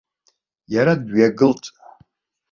Иара дҩагылт.